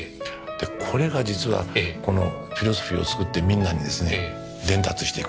これが実はこのフィロソフィを作ってみんなにですね伝達していく。